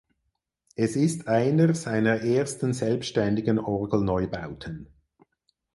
Es ist einer seiner ersten selbstständigen Orgelneubauten.